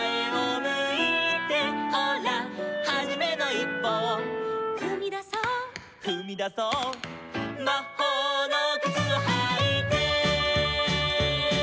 「ほらはじめのいっぽを」「ふみだそう」「ふみだそう」「まほうのくつをはいて」